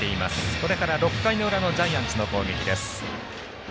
これから６回の裏のジャイアンツの攻撃です。